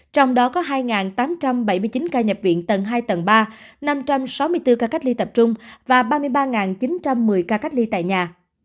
trong đó có hai tám trăm bảy mươi chín ca nhập viện tầng hai tầng ba năm trăm sáu mươi bốn ca cách ly tập trung và ba mươi ba chín trăm một mươi ca cách ly tại nhà